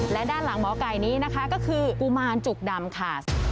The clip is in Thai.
และด้านหลังหมอไก่นี้นะคะก็คือกุมารจุกดำค่ะ